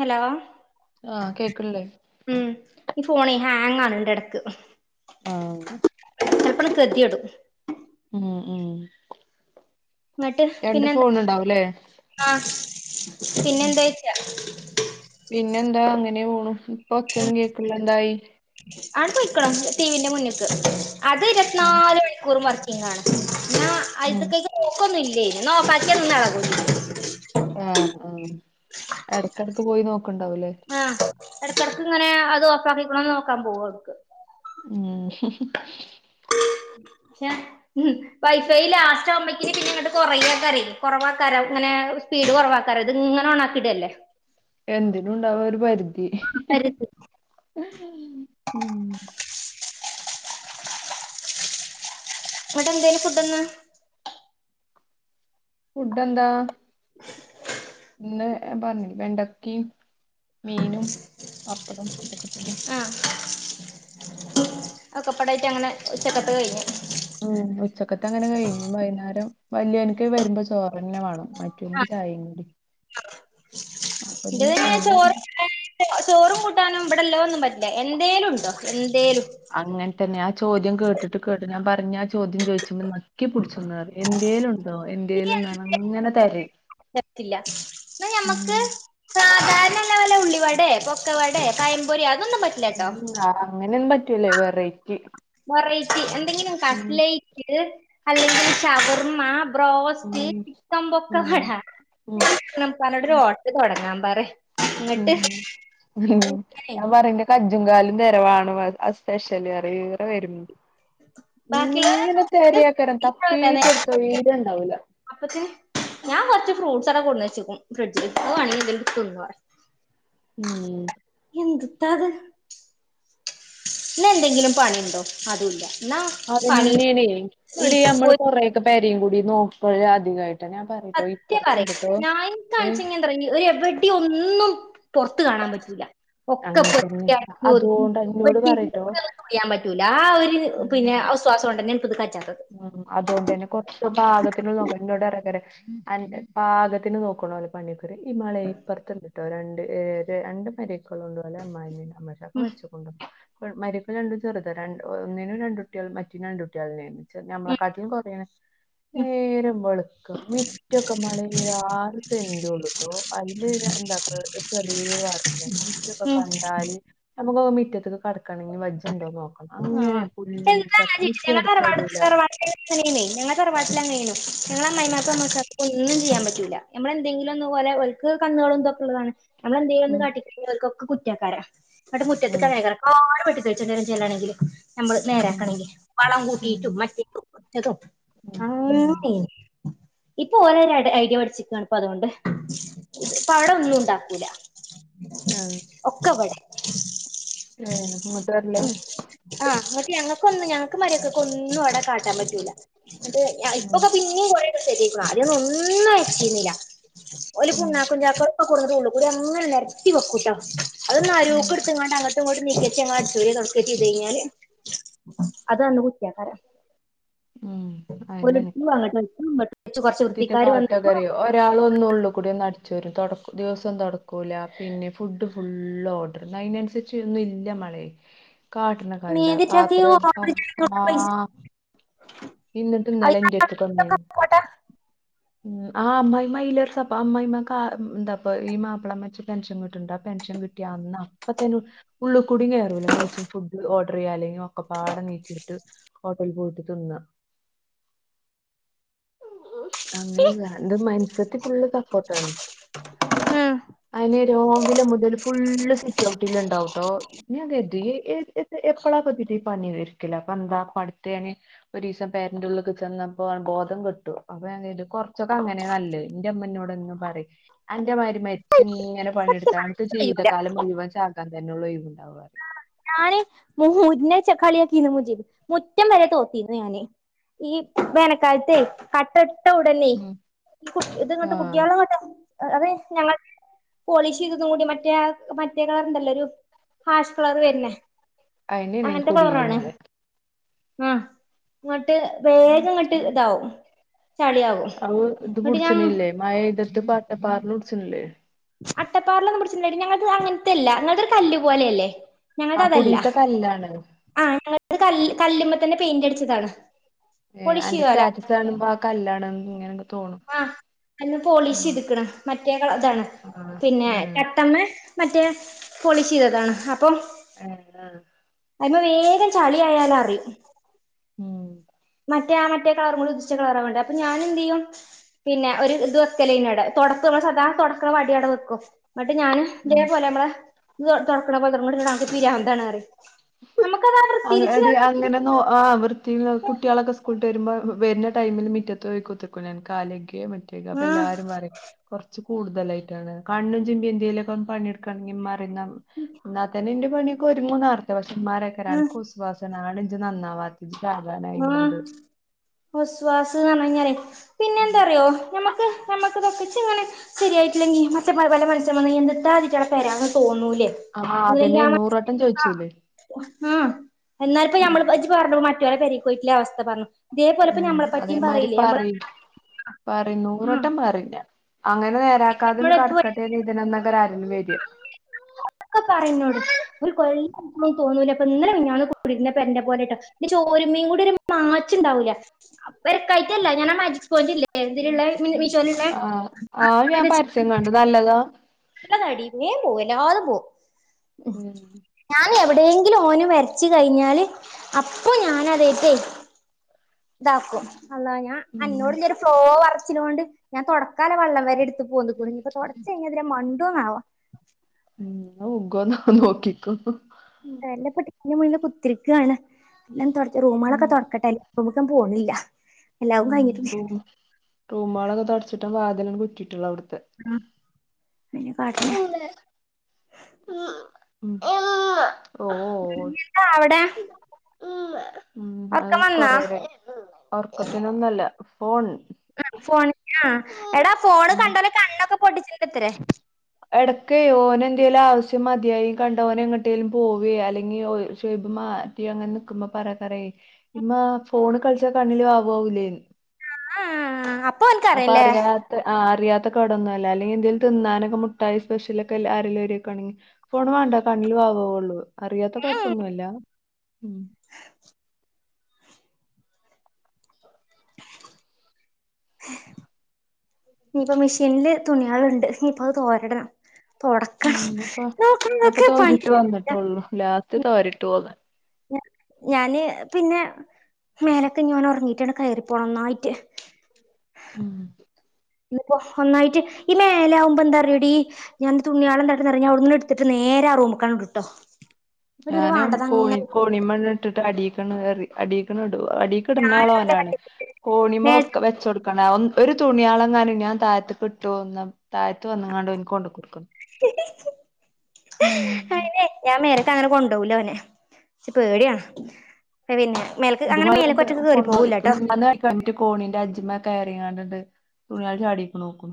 Hello ആഹ് കേൾക്ക്ണ്ല്ലേ ഉം ഈ ഫോണെ ഹാങ്ങാണ്ട് എടക്ക് ആഹ് ചെലപ്പം കൊദ്‌യേടും ഉം ഉം ഇന്നട്ട് രണ്ട് പിന്നെന്താ ഫോൺ ഉണ്ടാവുംല്ലേ അഹ് ഉം പിന്നെന്തായ്ച്ചാ പിന്നെന്താ അങ്ങനെ പോണു ഇപ്പൊ ഒച്ചന്നും കേൾക്ള്ള എന്തായി? ആണ്ട്പൊയ്ക്ക്ണ് ടീവിന്റെ മുന്ന്ക്ക് അത് ഇരുപത് ആഹ് നാല് മണിക്കൂറും വർ ക്കിങ്ങാണ് പിന്നെ ഉം അയ്ത്തക്കേക്ക് നോക്കൊന്നില്ലേയ് ഇന്നാ ഒഫാക്ക്യാ നിന്നെ എളക്കും ആഹ് ഉം എട്ക്കെട്ക്ക് പോയി നോക്ക്ണ്ടാവ് ലെ ആഹ് എടക്കട്ക്ക്ങ്ങനെ അത് ഓഫാക്കിണൊന്ന് നോക്കാം പോവും അവ്ട്ക്ക് ഉം പക്ഷേ ഹ് വൈഫൈ ലാസ്റ്റ് ആവുമ്പോക്കിനി പിന്നങ്ങട്ട് കെറയാക്കാരെ കൊറവാക്കാരം ഇങ്ങനെ സ്പീഡ് കൊറവാ ക്കാരം ഇത്ങ്ങനെ ഒണാക്കിടല്ലേ എന്തിനും ഉണ്ടാവൊരു പരിധി ഉം വിടെ എന്തെന്നും ഫുഡ് ഇന്ന് ഫുഡ്‌ എന്താ ഇന്ന് ഞൻ പറഞ്ലെ വെണ്ടക്കും മീനും പപ്പടും ഇതൊക്കെ തന്നെ ആഹ് ഒക്കപ്പടായിട്ട് അങ്ങനെ ഉച്ചക്കത്തെ കഴിഞ് ഉച്ചക്കത്തെ അങ്ങനെ കഴിഞ്ഞ് വൈന്നേരം വല്യോൻക് വരുമ്പോ ചോറ്ന്ന വാണം മറ്റോന്ക് ചായേം കടിം ഇന്റെ തന്നെ വരു ചോറ് ചോറും കൂട്ടാനും ഇബ്ടെല്ലോ ഒന്നും പറ്റില്ല എന്തേലും ഉണ്ടോ എന്തേലും അങ്ങൻ തന്നെ ആ ചോദ്യം കേട്ടിട്ട് കേട്ട് ഞാൻ പറയും ആ ചോദ്യം ചോദിചുമ്പോ നെക്കിപിടിച്ചും ന്നറിയും എന്ത്യലുണ്ടോ എന്ത്യലും ന്ന്പറഞ് അങ്ങനെ തെരയും ത്തില്ല എന്നാ ഉം ഞമ്മക്ക് സാധാരണള്ളെ വല്ല ഉള്ളിവട പൊക്കവട പഴംമ്പൊരിയാ അതൊന്നും പറ്റ അങ്ങനെ ഒന്നും പറ്റൂല്ലേ വെറൈറ്റി വെററ്റി എന്തെങ്കിലും ഉം ക്ടലൈറ്റ് അല്ലെങ്കിൽ ശവർമ്മ ഉം ബ്രോസ്റ്റ് ചിക്കൻ പെക്കവട ഉം ഉം ഞാൻ പറഞ് ഉപ്പാനോട് ഒരു ഹോട്ടൽ തോടങ്ങാൻ പറി ഹ്മ്മ് ഞാൻ പറയും ന്റെ കജ്ജും ങ്കാലും തരവാണോ സ്പെഷ്യല് അറിയും ഈറ വരുംബോ ഇങ്ങനെ തരേ അക്കാരം ബാക്കിയുള്ളവരെ തപ്പീറ്റൊരു തൊഴിര്യം ഇണ്ടാവൂല അപ്പത്തിന് ഞാൻ കോറച്ച് ഫ്രൂട്ട്സ്. ആട കൊടുന്നച്ചക്കും ഫ്രിഡ്ജിൽ അത് വാണെങ്കിൽ എന്തേലും തിന്നാ മ്മ് എന്ത്ത്താത് എന്നാ എന്തെങ്കിലും പണി ഉണ്ടോ അതുല്ല എന്നാ അതന്നെ ണയ് എടി നമ്മള് കൊറെ യൊക്കെ പരയും കൂടിയും നോക്ക അധികായിട്ട ഞാ സത്യ പറയാ ഞാൻ ഏയ് ക്കാണിച്ച ന്താറിയോ ഒരു എവിടെ ഒന്നും പോറത്ത് കാണാൻ പറ്റൂല ഒക്ക അങ്ങനെ തന്നെ പറിക്കി അടക്കി ഒതുക്കി അതുകൊണ്ട് എന്നോട് പറയട്ടോ എവിടിം ചെയാൻ പറ്റൂല ആ ഒര് പിന്നെ ഒസ്‌വാസോണ്ടന്നെപ്പത് കജ്‌ജാ ത്തത് അതോണ്ടന്നെ കൊറച്ച് ഭാഗത്തിനൊള്ളു നോക്കാൻ ഇന്നോട് റക്കാരം അന്റെ പാകത്തിന് നോക്കണലോ പണിക്കരു ഈ മളെ ഇപ്പറത്ത് ണ്ട്ട്ടോ രണ്ട് ഏഹ് രണ്ട് മര ക്കളുണ്ട് ഒലെ അമ്മായിമ്മേം അമ്മോശാക്ക ഉം മരിച്ചു മരിക്കള് രണ്ടും ചെറുത ര ഒന്നിനും രണ്ടു കുട്ടിയാൾ മറ്റേന്നും രണ്ട് കുട്ടിയാളന്നെന് ഞമ്മളെ ഉം കാട്ടിലും കൊറേണ് ഉം നേരം വെളുക്ക മിറ്റൊക്കെ മളെ ആറ് സെന്റള്ളൂട്ടോ അതില് എന്താ ചെറിയ വാർപ്പ് പേര മുറ്റോക്ക ഉം കണ്ടാല് നമക്ക് ഒക്കെ മിറ്റത്ത്ക് കടക്കണങ്കി വജ്ജുണ്ടോ നോക്കണം അങ്ങനെ പുല്ലും ചപ്പും മിറ്റം അടിച്ചാരി തറവാട്ടിൽ ഞങ്ങളെ തറവാട്ടില് അങ്ങനെയുനു ഞങ്ങള അമ്മായിമ്മാകും അമോശക്കാക്കും ഒന്നും ചെയ്യാൻ പറ്റൂല നമ്മള് ന്തെങ്കിലും ഒന് ഒലെ ഓൽക്ക് കന്നളും തൊക്കെള്ളതാണ് ഞമ്മൾ എന്തേലും ഉം കാട്ടി ഓല്ക്ക് ഒക്ക കുറ്റക്കാരം എന്നട്ട് മുറ്റത്ത് ഉം ഇറങ്ങേകാരം ക്കാട് വെട്ടി തളിച്ചെണ്ട വരും ചെല്ലണെങ്കില് നമ്മള് ഉം നേരാക്കണെങ്കിൽ വളം ഉം കൂട്ടിയിട്ടും മറ്റേതും ഉം ഉം അങ്ങനെണ് ഇപ്പൊ ഓര് ഒരു ഐഡിയ പഠിച്ചിക്കാണ് ഇപ്പൊ അതോണ്ട് ഇപ്പോ അവിടെ ഒന്നും ണ്ടാക്കൂല ആഹ് ഒക്ക പടെ ഏഹ് ഇങ്ങട്ട് വേർലാ ആഹ് എന്നട്ട് ഞങ്ങൾക്ക് ന്നും ഞങ്ങൾക്ക് മരക്കക്ക് ഒന്നുംവിടെ കാട്ടാൻ പറ്റൂല എന്നിട്ട് ഉം ഇപ്പൊക്കെ പിന്നിം ഇപ്പോ കൊറേ ഒക്കെ ശരിയായിക്കുണു ആത്യന്നും ഒന്നും അയച്ചീനില ഓല് ഉം പുണ്ണാക്കും ചാക്ക് കൊടുന്ട്ട് ഉള്ളുകൂടെ അങ്ങനെ നരത്തി വെക്കൂട്ടോ അതൊന് ഉം അരൂക്ക് എടുത്ത് ങ്ങാണ്ട് അങ്ങട്ട് ട്ട് നീകച്ചേ ഞങ്ങൾ അടിച് വാരെ തൊടക്കെ ചെയ്ത് കഴിഞ്ഞാൽ അത് അന്ന് കുറ്റേ ക്കാരം ഉം [unintelligible] കുട്ടിക്ക് വൃത്തിക്കാര് പാട്ടോക്കെ വന്ന് അറിയോ ഒരാള് എന്നും ഉള്ളുകൂടിന്ന് അടിച്ച് വാരും തുട ദിവസം തുടക്കൂല പിന്നെ ഫുഡ് ഫുള്ള് ഓർഡർ എന്ന അതിനനുസരിച്ച് ഒന്നും ഇല്ല മളെ കാട്ടിണ് കണ്ട മേതിട്ടതി പാത്രം ഓർഡർ ചെയ്ത പൈസ ആഹ് എന്നിട്ട് ഇന്നലെ എന്റെ അടുത്ത് ക്ക് അയ്ന്നൊക്കെ വന്നിന്നു പോട്ടെ ഉം ആഹ് അമ്മായിമ്മ ആയി ലെറേ സപ്പോ അമ്മായിമ്മ കാ എന്താപ്പ ഈ മാപ്പിള മരിച്ച പെൻഷൻ കിട്ടുണ്ട് പെൻഷൻ കിട്ട ാ അപ്പ തന്നെ ഉള്ളള് കുടുങ്ങ കയറൂല്ല നീച്ചും ഫുഡ് ഓർഡർ ചെയ്യാ അല്ലെങ്കോ ഒക്കെപ്പാട നീച്ചിട്ട് ഹോട്ടൽ പോയിട്ട് തിന്ന അങ്ങനെ എന്റെ മൻസ്യത്തി ഫുള്ള് സപ്പോർട്ടാണ് ഉം ഇഞ്ഞ് രാവില മുതൽ ഫുള്ള് സിറ്റ് ഔട്ടില് ഉണ്ടാവുട്ടോ ഞാൻ കരുതി [unintelligible] എപ്പളാതിറ്റപ്പ പണി ഒരുക്കല് അപ്പൊന്ത ഇപ്പോടുത്ത് ഞാൻ ഒരു ദിവസം പേരന്റഉള്ളിക്ക് ചെന്നപ്പോ ബോധം കെട്ടു കെട്ടു അപ്പൊ ഞാൻ കരുതി കൊറച്ചൊക്കെ അങ്ങനെ നല്ലത് എന്റെ ഉമ്മന്നോട് എന്നും പറിം അന്റെമാതിരി മരിച്ചു ഇങ്ങനെ സത്യം പറഞ്ഞാ പണിയെടുത്ത് ഇച്ച് കയ്യൂല ജീവിതകാലം മുഴുവൻ ചാകാൻ തന്നെ ഒഴിവുണ്ടാക [unintelligible] ഈ വേനക്കാലത്തെ കട്ട ഇട്ട ഉടനെ ഉം [unintelligible] ഇത് ഇങ്ങോട്ട് ആഹ് കുട്ടികള്ങ്ങോട്ട് അതെ ഞങ്ങൾ പോളിഷ് ചെയ്തതും കൂടി മറ്റേ മറ്റേ കളറില്ല ഒരു ഹാഷ് കളർ വരുന്ന അയിനേണ് അങ്ങൻത്തെ കുടിയിലും കളറാണ് മഴ ആഹ് ഇങ്ങട്ട് വേഗം ഇങ്ങട്ട് ഇതാവും ചളിയാവും അഹ് ഇത് പിടിച്ണ്ല്ലേ മഴയ്തിട്ട് ഇപ്പൊ അട്ടപ്പാറല് പിടിച്ണില്ലേ അട്ടപ്പാറിലൊന്നും പിടിച്ണ് ഇല്ലടി ഞങ്ങൾത് അങ്ങൻത്തെല്ല ഇങ്ങൾത് ഒരു കല്ല്പോലെ അല്ലേ ഞങ്ങൾത് ആ അതല്ല കുടീത്തെ കല്ലാണ് ആഹ് ഞങ്ങത് കല്ല് കല്ലുമ്മതന്നെ പെയിന്റ് അടിച്ചതാണ് ഏഹ് പോളിഷ് അന്റെ ചെയ്യാലോ സ്റ്റാറ്റസ് കാണുമ്പോൾ അത് കല്ലാണ്ങ്ങനെ തോന്നും കല്ല് പോളിഷ് ഉം ചെയ്ത്ക്ക്ണ് മറ്റേ കള ഇതാണ് ആഹ് പിന്നെ കട്ടമ്മേ മറ്റേ പോളിഷ് ചെയ്തതാണ് അപ്പൊ ആഹ് ആഹ് അയ്മ്മേ വേഗം ചളിആയാല് അറിയും ഉം മറ്റേ ആഹ് മറ്റേ കളറും കൂടി ഉദിച്ച കളറാവേണ്ട് അപ്പൊ ഞാൻ എന്ത് ചെയ്യും പിന്നെ ഒരു ഇത് വെക്കലേന്ന് അവ്ടെ തുടപ്പ് നമ്മൾ സാധാ തുടക്കണ വടിയവടെ വെക്കും ഇന്നിട്ട് ഞാന് ഉം ഇതേപോലെ നമ്മള തൊ തൊട്ക്ക്ണ പോലെ തന്നെ ന്നട്ട് ഇഞ്ഞോട് പറിം അൻക്ക് പിരാന്താണ് പറിം നമുക്കതത്ര തിരിച്ചു അങ്ങടി അങ്ങനെ നോ ആഹ് വൃത്തിൽ കുട്ടികളൊക്കെ സ്കൂൾട്ട് വരുമ്പോ വരുന്ന ടൈമിൽ മിറ്റത്ത് പോയി കുത്തരാക്കും ഞാന് കാല് കൈകി [unintelligible] അപ്പൊ ആഹ് എല്ലാരും പറയും കൊർച്ച് കൂടുതലായിട്ടാണ് കണ്ണും ചിമ്പി എന്ത്യയിലൊക്കെ പണിഎടു കന്നിം മറിന്ന ന്നാ തന്നെ ഇൻ്റെ പണിഒക്കൊര്ങ്ങും ന്നർത്ഥം പക്ഷെ ഇമ്മ ആഹ് [unintelligible] [unintelligible] വസ്വാസ്ന്ന് ർഞ്ഞയ്ഞ്ഞാലേ പിന്നെ എന്താറിയോ ഞമ്മക്ക് നമ്മക്ക്തൊക്ക ഇച്ച് ഇങ്ങനെ ശരിയായിട്ടില്ലെങ്കിൽ മറ്റേ പല പല മനുഷ്യൻ വന്നയ്ഞ്ഞാ എന്ത്‌താ ഇതി റ്റെങ്ങളെ പെരാന്ന് തോന്നൂലേ ആഹ് ഒന്നില്ലെങ്കി അതന്നെ ആ നൂറ്‌വട്ടം ആഹ് ചോയ്ച്ചീലേ ആഹ് എന്നാല ഇപ്പ ഞമ്മള് ഇജ്ജ് പറഞ്ഞു മറ്റോലെ പെരീക്ക് പോയിട്ട് ഉള്ള അവസ്ഥ പറഞ്ഞു ഇതേപലെ ഇപ്പോ ഉം നമ്മളെ പറ്റിയും അതേമാതിരി പറയില്ലേ നമ്മ പറയും പറയും നൂറ്‌വട്ടം പറിലെ അങ്ങനെ നേരാക്കാതെന്ന് കടക്ക [unintelligible] നന്നാക്കാനാരെങ്കിലും വര ഒക്കെ പറയുന്നോട് ഒരു കൊല്ലയ്ക്കുണു തോന്നൂലപ്പ ഇന്നലെ മിനിഞ്ഞാന്ന് കൂടിരുന്ന പെരന്റെ പോലെ ട്ടോ എന്റെ ചോര് മ്മയും കൂടി ഒരു മാച്ച് ഉണ്ടാവില്ല വരക്കായിട്ടല്ല ഞാൻ ആ മാജിക് സ്പോഞ്ച് ഇല്ലേ എതിലുള്ള മീശോലുള്ള ആഹ് ആഹ് ഞാൻ പരസ്യം കണ്ടു [unintelligible] നല്ലതാ നല്ലതടി മേം പോവും എല്ലാതും പോവും ഉം ഞാൻ എവിടെയെങ്കിലും ഓന് വര്ച്ച് കഴിഞ്ഞാല് അപ്പൊ ഞാൻതായിട്ടെ ഇതാക്കും അല്ലാ ഞാൻ ഉം അന്നോട്ല്ല ഒരു ഫ്ലോ വറച്ചിലോണ്ട് ഞാൻ തൊട്ക്കാൻലെ വെള്ളം വരെ എടു ത് പോന്ന്ക്ണു നി ഇപ്പൊ തൊട്ച്ചയ് നാല് ഇതിലെ മണ്ടോന്നാവോ ഉം ന്ന വുകോന്നാവോ നോക്കിക്കോ ല്ല പെട്ടിന്റെ മുന്നില് കുത്തിര്ക്കാണ് പിന്ന തൊട് ഉം റൂമാളൊക്കെ തൊട്ക്കട്ടെ [unintelligible] പോണില്ല എല്ലാവും ഉം കഴിഞ്ഞിട്ട് റൂമാളൊക്കെ തൊട്ച്ചിട്ടാ വാതിലങ് കുറ്റിട്ടളാ അവിട്ത്തെ ഉം പിന്നെ കാട്ട [inaudible] എന്താ അവടെ അത് വന്നാ കൊറേരായ് ഒർക്കത്തിലൊന്നും അല്ല ഫോൺ ആ ഫോണ്നാ എടാ ഫോണ് ഉം കണ്ടാല് കണ്ണൊക്കെ പൊട്ടിച്ചിണ്ടത്തരേ എടക്കേ ഓന് എന്തേലും ആവശ്യം മതിയായി കണ്ട ഓൻ എങ്ങോട്ടേങ്കലും പോവേ അല്ലെങ്കി ഒരു [unintelligible] റ്റി അങ്ങനെക്കുമ്പ പറയക്കേരയ് ഇമ്മാ ഫോണ് കളിച്ചാ കണ്ണിൽ വാവു ആവൂലേന്ന് ആഹ് അപ്പൊ ഓൻക്കറിയാല്ലേ അറിയ അറിയാത്ത കേടൊന്നും അല്ല അല്ലെങ്കി എന്തേല് തിന്നാനൊക്കെ മുട്ടായി സ്പെഷ്യല ഒക്കെ ആരെലും ഓരിയക്കാണെങ്കി ഫോണ് വേണ്ട കണ്ണിൽ വാവാവ്ള്ളു അറിയാത്ത ഉം കൊഴപ്പൊന്നൊല്ല ഉം നീയിപ്പ മെഷീൻല് തുണിയാള്ണ്ട് ഇനിയിപ്പ അത് തോരടണം തൊടക്കം ഉം നോക്കുന്നൊക്കെ പണി ട്ടൊള്ളൂ ലാസ്റ്റ് തോരിട്ടോന്ന് ഞാന് പിന്നെ മേലെക്കിനി ഓൻ ഒറങ്ങിട്ടാണ് കെയറിപ്പോണം നന്നായിട്ട് ഉം ഇനിപ്പോ ഒന്നായിട്ട് ഈ മേലാവുംമ്പോ എന്താറിയോടി ഞാനെന്റെ തുണിയാള് എന്താക്കൂന്നറിഞ അവിടുന്നെടുത്തിട്ട് നേരെ ആ റൂമിക്കാങ് ഇടൂട്ടോ ഇവിടെ ഒരു വാഡതങ്ങനെ കോണിമണ്ണിട്ടിട്ട് അടീക്കങ് കേറി അടീക്കണ ഇടുവ അടീ കിട്ന്നാളോനാണ് മേ കോണിമാ വെച്ച് കൊടുക്കണ ഒരു തുണിയാളെങ്ങാനും ഞാൻ താഴ്ത്തി കിട്ടുവോന്ന് താഴ്ത്ത് വന്ന്ങ്ങാണ്ട് ഓന്ക്ക് കൊടുക്കും അയിനെ ഞാൻ മേലക്കങ്ങനെ കൊണ്ടുപോവൂല അവന് എനിച് പേടിയാണ് അ പിന്നെ മേലക്ക് അങ്ങനെ മേലക്കൊറ്റെക്ക് കേറി പോവൂല്ലാട്ടോ കിറ്റ് കോണിന്റെ അജ്മ കേറീങ്ങാണ്ടിണ്ട് തുണിയാൾ ചാടീക്കണ നോക്കു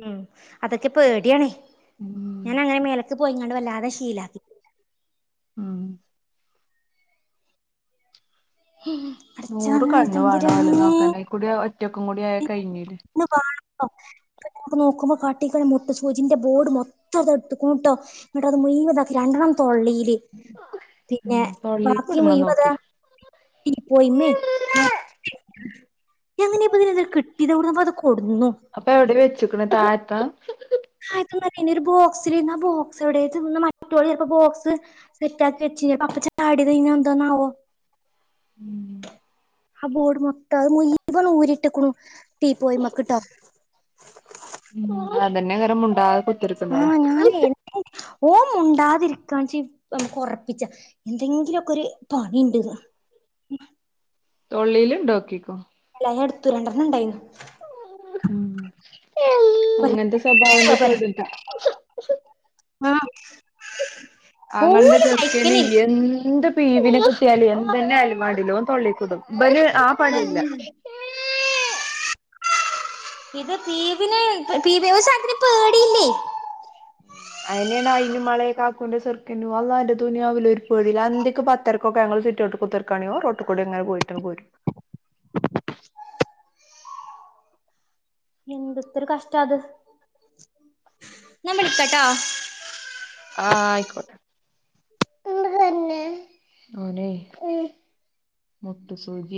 ഉം അതൊക്കെ പേടിയാണേ ഉം ഞാൻ അങ്ങനെ മേലേക്ക് പോയിങ്ങണ്ട് വല്ലാതെ ശീലാക്കി ഉം ഹും പടച്ചോനായ തംമ്പുരാനെ കുടിയ ഒറ്റക്കും കുടി ആയ കഴിഞ്ഞില്ലേ ഇങ്ങു ബാണുണ്ടോ നോക്കുമ്പോ കാട്ടികണ് മൊട്ടു സൂചീന്റെ ബോർഡ് മൊത്തം അത് എടുത്ത്ക്കണ് ട്ടോ എന്നിട്ട് അത് മുഴുവൻ ഇതാ രണ്ടെണ്ണം തൊള്ളേല് ഉം പിന്നെ തൊള്ളീക്ക് ബാക്കി വിട്ണത് നോക്കി മുഴിവതാ ഈ പോയിമ്മേ എങ്ങനാപ്പ ഇത് കിട്ടിയത് എവ്ടുന്നാപ്പ അത് കൊടുന്നു അപ്പെ എവിടെ വെച്ച്ക്ക്ണ് താഴത്ത ആരുത്തും പറേന്ന ഒരു ബോക്സിലാരാന്ന് ആ ബോക്സ് എവിടെ ഇതിന്നു മറ്റൊളലെപ്പോ ബോക്സ് സെറ്റാക്കി വേച്ച് അപ്പ അപ്പചെട്ടാടിയത് കൈഞ്ഞ എന്താ മാവോ ഉം ആ ബോർഡ് മൊത്തം. അത് മുഴീവനും ഊരിട്ടേക്കണു തീ പോയി മ്മക്ക്ട്ടോ ഉ അതന്നെ അങ്ങനെ മുണ്ടാതിക് ആഹ് ഞാനെ ഓൻ മുണ്ടാതിരിക്കാണ് ച്ചി ഉം കൊറപ്പിച്ച എന്തെങ്കിലൊക്കൊരു പണിയുണ്ടിത് തൊള്ളേലിണ്ടോക്കിക്കോ ഇല്ല അയ്യ്ഞാടെത്തു രണ്ടെണ്ണുണ്ടായിരുന്നു അങ്ങൻത്തെ സ്വഭാവുണ്ടേ പാടാ ആ ആങ്ങൾടെ ചെറുക്കനില്ലേ എന്ത് പീവിനെ കിട്ടിയാല് എന്തെന്നെയാലും മാണ്ടീല്ല ഓൻ തൊള്ളേക്ക്ടും. ബന് ആ പണില്ല. തന്നെ ഇത് തീബിനു ഇപ്പ തീബി ഒരു സാധനത്തിന് പേടില്ലേ ഉ അയിനന്നായി എന്റുമാളെ കാക്കൂന്റെ സെർകെന്റ അള്ളാൻ്റെ ദുനിയാവില് ഒരു പേടിയില്ല. സന്ധ്യക്ക് പത്തരക്കൊക്കെ ഞങ്ങൾ സിറ്റോട്ടില് കുത്തിരി കണിയോ റോട്ടി കുടിങ്ങനെ പോയിട്ട ക്ക പോരും എന്തൊരുത്തൊരു കഷ്ട്ടാത് ഞാൻ വിളിക്കാട്ടോ ആഹ് ആയിക്കോട്ടെ അതെ ഉം മൊട്ടു സൂചി